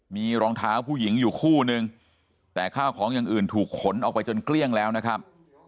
มีรองเท้าผู้หญิงอยู่คู่นึงแต่ข้าวของอย่างอื่นถูกขนออกไปจนเกลี้ยงแล้วนะครับ